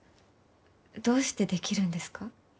どうしてできるんですか？